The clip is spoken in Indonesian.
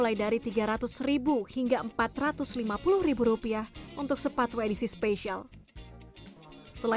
akhirnya bisnis mereka